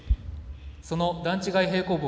その段違い平行棒